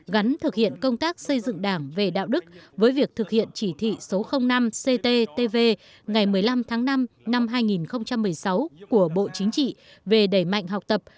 gắn thực hiện công tác xây dựng đảng về đạo đức với việc thực hiện chỉ thị số năm cttv ngày một mươi năm tháng năm năm hai nghìn một mươi sáu của bộ chính trị về đẩy mạnh học tập